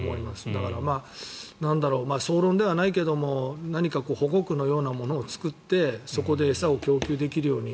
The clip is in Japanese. だから、総論ではないけども何か保護区のようなものを作ってそこで餌を供給できるように。